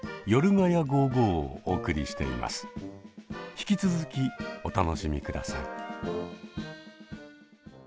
引き続きお楽しみください。